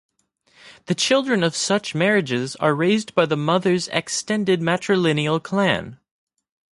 The children of such marriages are raised by the mother's extended matrilineal clan.